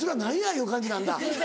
いう感じなんだ。